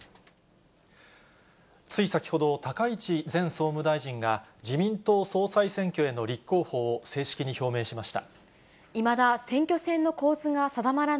つい先ほど、高市前総務大臣が、自民党総裁選挙への立候補を正式に表明しました。